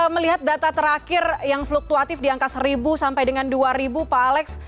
melihat data terakhir yang fluktuatif di angka seribu sampai dengan dua ribu pak alex